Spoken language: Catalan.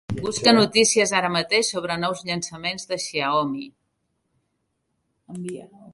Busca notícies d'ara mateix sobre nous llançaments de Xiaomi.